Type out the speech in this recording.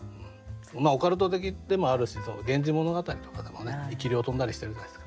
オカルト的でもあるし「源氏物語」とかでもね生き霊飛んだりしてるじゃないですか。